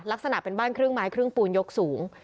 ลักษณะเป็นบ้านครึ่งไม้ครึ่งปูนยกสูง